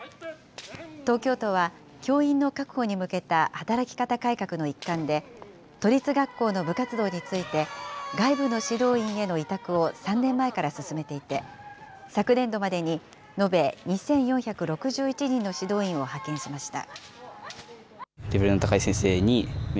東京都は教員の確保に向けた働き方改革の一環で、都立学校の部活動について、外部の指導員への委託を３年前から進めていて、昨年度までに延べ２４６１人の指導員を派遣しました。